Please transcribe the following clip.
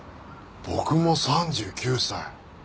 僕も３９歳。